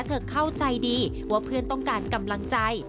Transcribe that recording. เข้าใจดีว่าเพื่อนต้องการกำลังใจ